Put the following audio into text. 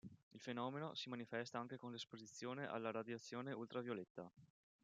Il fenomeno si manifesta anche con l'esposizione alla radiazione ultravioletta.